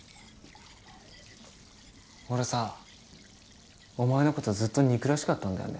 俺さぁお前のことずっと憎らしかったんだよね。